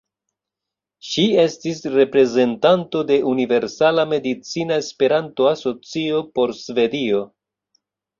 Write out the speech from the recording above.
Ŝi estis reprezentanto de Universala Medicina Esperanto-Asocio por Svedio.